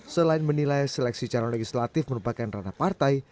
selain menilai seleksi channel legislatif merupakan rana partai